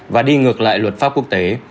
và đi ngược lại luật pháp quốc tế